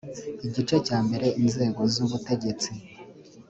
igice cya mbere inzego z ubutegetsi